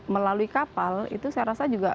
melalui kapal itu saya rasa juga